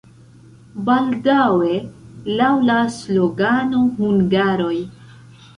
Baldaŭe laŭ la slogano "Hungaroj!